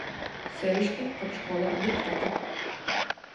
Seviški, kod školā diktati.